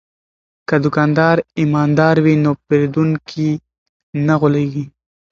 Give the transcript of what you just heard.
که دوکاندار ایماندار وي نو پیرودونکی نه غولیږي.